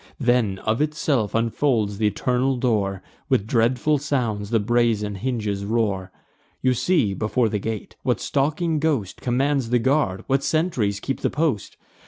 Then, of itself, unfolds th' eternal door; With dreadful sounds the brazen hinges roar. You see, before the gate, what stalking ghost Commands the guard, what sentries keep the post.